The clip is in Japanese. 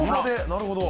なるほど。